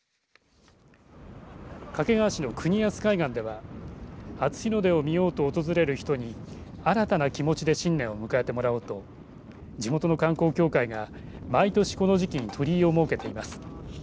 掛川市の国安海岸では初日の出を見ようと訪れる人に新たな気持ちで新年を迎えてもらおうと地元の観光協会が毎年この時期に鳥居を設けています。